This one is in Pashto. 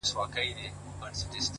o څه وکړمه لاس کي مي هيڅ څه نه وي؛